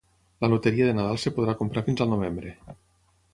La loteria de Nadal es podrà comprar fins al novembre.